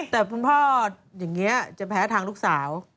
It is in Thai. แต่คุณพ่ออย่างนี้จะแพ้ทางลูกสาว